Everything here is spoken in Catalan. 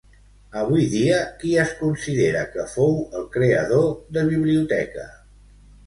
Avui dia, qui es considera que fou el creador de Biblioteca?